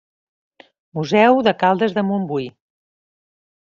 Museu de Caldes de Montbui.